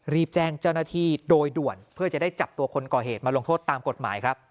รีบแจ้งเจ้าหน้าที่โดยด่วนเพื่อจะได้จับตัวคนก่อเหตุมาลงโทษตามกฎหมายครับ